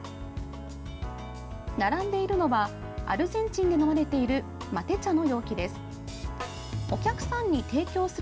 並んでいるのはアルゼンチンで飲まれているマテ茶の容器です。